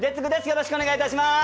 よろしくお願いします。